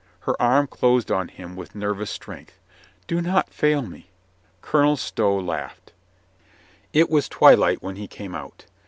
Her arm closed on him with nervous strength. "Do not fail me !" Colonel Stow laughed. ... It was twilight when he came out.